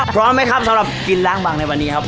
พร้อมไหมครับสำหรับกินล้างบางในวันนี้ครับ